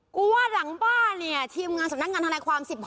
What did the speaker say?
ว่าหลังบ้านเนี่ยทีมงานสำนักงานธนายความ๑๕